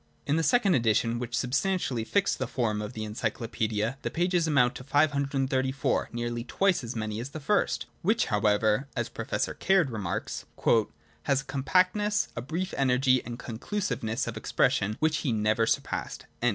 In the second edition, which substantially fixed the form of the Encyclopaedia, the pages amount to xlii, 534— nearly twice as many as the first, which, however, as Professor Caird remarks, 'has a compactness, a brief energy and conclusiveness of expression, which he never surpassed.'